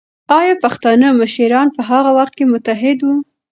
ایا پښتانه مشران په هغه وخت کې متحد وو؟